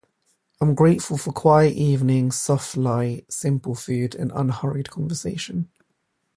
I'm grateful for quiet evenings, soft light, simple food, and unhurried conversation.